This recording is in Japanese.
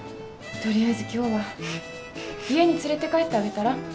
とりあえず今日は家に連れて帰ってあげたら？